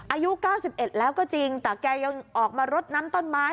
อายุ๙๑แล้วก็จริงแต่แกยังออกมารดน้ำต้นไม้